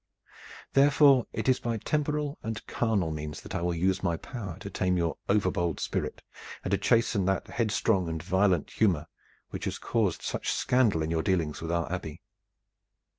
Therefore, it is by temporal and carnal means that I will use my power to tame your overbold spirit, and to chasten that headstrong and violent humor which has caused such scandal in your dealings with our Abbey.